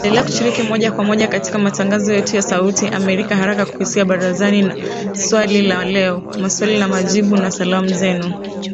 Wasikilizaji waendelea kushiriki moja kwa moja katika matangazo yetu ya Sauti ya Amerika haraka kupitia Barazani na Swali la Leo, Maswali na Majibu, na Salamu Zenu